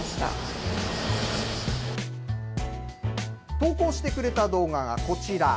投稿してくれた動画がこちら。